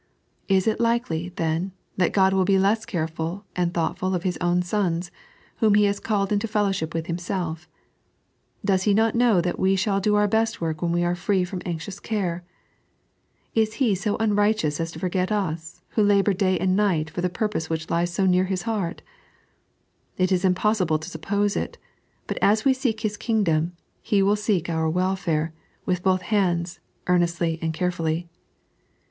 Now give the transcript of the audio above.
Is it likely, then, that God will be less careful and thoughtful of His own sons, whom He has called into fellowship with Himself Z Does He not know that we shall do oor best work when we are free from anxious care ? Is He so unrighteous as to forget us, who labour day and night for the purpose which lies so near His heart } It is impossible to suppose it ; but as we seek His Kingdom, He will seek our welfare, with both hands, earnestly and carefully.